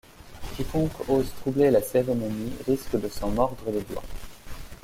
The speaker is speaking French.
Quiconque ose troubler la cérémonie risque de s'en mordre les doigts.